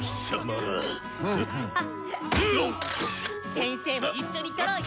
先生も一緒に撮ろうよ！